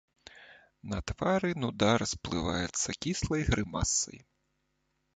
На твары нуда расплываецца кіслай грымасай.